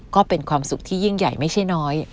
ก็เป็นความสุขที่ยิ่งใหญ่ไม่ใช่น้อย